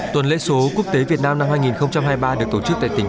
tuần lễ số quốc tế việt nam năm hai nghìn hai mươi ba được tổ chức tại tỉnh